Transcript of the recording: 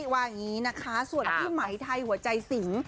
ว่างี้นะคะส่วนอันที่ไหมไทยหัวใจสิง